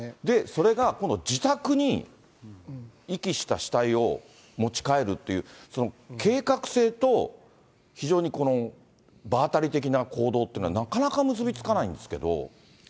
それが今度、自宅に遺棄した死体を持ち帰るっていう、計画性と、非常にこの場当たり的な行動ってのがなかなか結び付かないんです